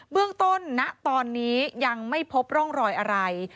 เรื่องต้นณตอนนี้ยังไม่พบร่องรอยอะไร